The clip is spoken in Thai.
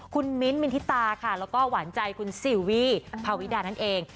คุณมิ้นท์มินทิตาค่ะแล้วก็หวานใจคุณซิลวี่พาวิดานั่นเอง